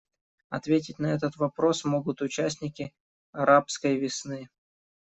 Ответить на этот вопрос могут участники «арабской весны».